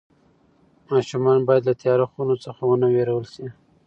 ماشومان باید له تیاره خونو څخه ونه وېرول شي.